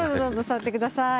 座ってください。